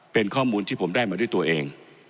เป็นข้อมูลที่ผมได้มาด้วยตัวเอง